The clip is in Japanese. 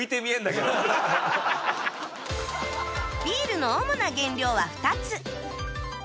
ビールの主な原料は２つ